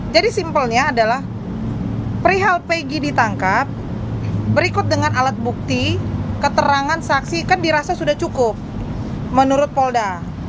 jadi simpelnya adalah prihal pegi ditangkap berikut dengan alat bukti keterangan saksi kan dirasa sudah cukup menurut polda